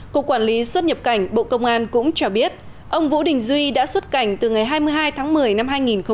cục quản lý xuất nhập cảnh bộ công an cũng cho biết ông vũ đình duy đã xuất cảnh từ ngày hai mươi hai tháng một mươi năm hai nghìn một mươi chín